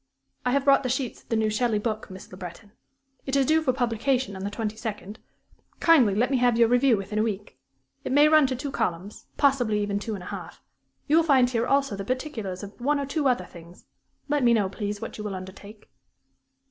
"I have brought the sheets of the new Shelley book, Miss Le Breton. It is due for publication on the 22d. Kindly let me have your review within a week. It may run to two columns possibly even two and a half. You will find here also the particulars of one or two other things let me know, please, what you will undertake."